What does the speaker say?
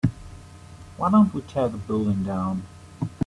why don't we tear the building down?